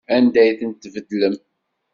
Anda ay tent-tbeddlem?